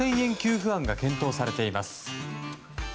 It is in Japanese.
給付案が検討されています。